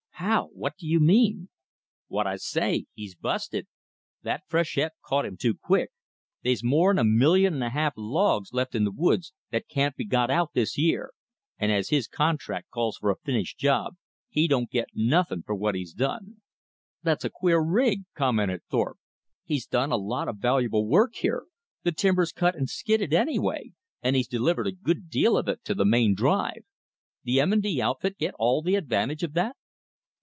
"How? What do you mean?" "What I say. He's busted. That freshet caught him too quick. They's more'n a million and a half logs left in the woods that can't be got out this year, and as his contract calls for a finished job, he don't get nothin' for what he's done." "That's a queer rig," commented Thorpe. "He's done a lot of valuable work here, the timber's cut and skidded, anyway; and he's delivered a good deal of it to the main drive. The M. & D. outfit get all the advantage of that."